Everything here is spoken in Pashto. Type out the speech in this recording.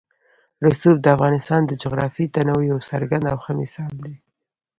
رسوب د افغانستان د جغرافیوي تنوع یو څرګند او ښه مثال دی.